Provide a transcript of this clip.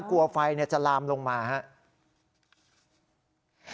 กลัวไฟจะลามลงมาครับ